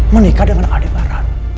menikah dengan adik barat